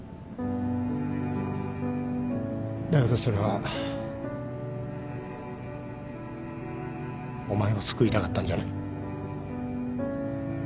だけどそれはお前を救いたかったんじゃない。